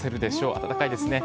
暖かいですね。